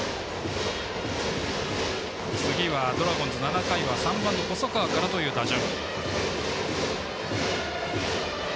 次はドラゴンズ、７回は３番の細川からという打順。